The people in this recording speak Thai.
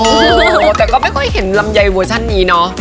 โอ้โหแต่ก็ไม่ค่อยเห็นลำไยเวอร์ชันนี้เนอะ